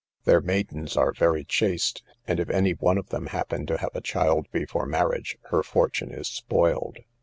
Their maidens are very chaste; and if any one of them happen to have a child before marriage, her fortune is spoiled.